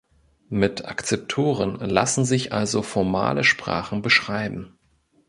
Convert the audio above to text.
Mit Akzeptoren lassen sich also formale Sprachen beschreiben.